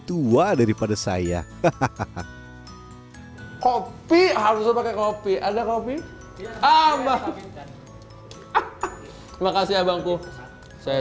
tua daripada saya hahaha kopi harus pakai kopi ada kopi abah terima kasih abangku saya